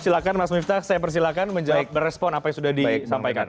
silahkan mas miftah saya persilakan menjawab berespon apa yang sudah disampaikan